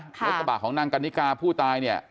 รถกระบะของนางกันนิกาผู้ตายเนี่ย